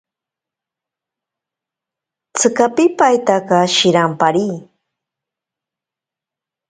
Tsika pipaitaka shirampari.